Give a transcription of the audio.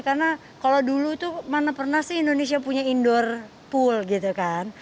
karena kalau dulu itu mana pernah sih indonesia punya indoor pool gitu kan